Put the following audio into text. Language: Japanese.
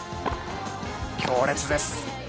強烈です。